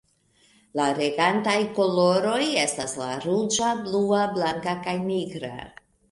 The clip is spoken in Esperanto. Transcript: La regantaj koloroj estas la ruĝa, blua, blanka kaj nigra.